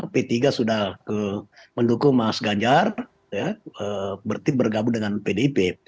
p tiga sudah mendukung mas ganjar bergabung dengan pdip